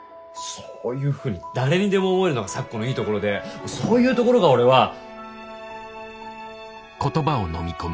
そういうふうに誰にでも思えるのが咲子のいいところでそういうところが俺は。